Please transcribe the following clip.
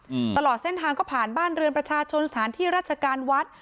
อืมตลอดเส้นทางก็ผ่านบ้านเรือนประชาชนสถานที่ราชการวัด